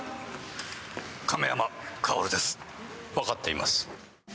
わかっています。